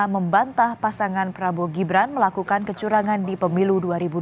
membantah pasangan prabowo gibran melakukan kecurangan di pemilu dua ribu dua puluh